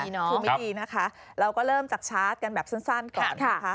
ช่วงไม่ดีนะคะเราก็เริ่มจากชาร์จกันแบบสั้นก่อนนะคะ